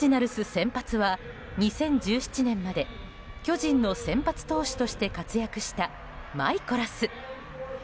先発は２０１７年まで巨人の先発投手として活躍したマイコラス。